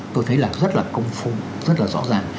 tôi thấy là rất là công phu rất là rõ ràng